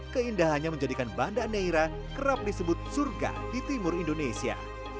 keindahannya menjadikan banda neira kerap disebut surga di timur indonesia